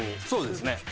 そうですね。